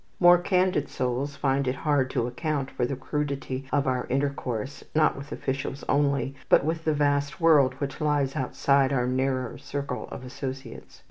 More candid souls find it hard to account for the crudity of our intercourse, not with officials only, but with the vast world which lies outside our narrow circle of associates.